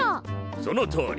そのとおり！